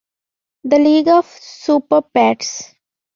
The league of Super-Pets.